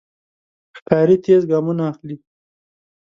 ښکاري تېز ګامونه اخلي.